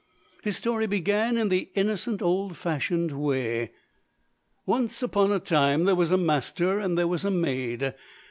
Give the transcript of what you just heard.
His story began in the innocent, old fashioned way. "Once upon a time, there was a master and there was a maid.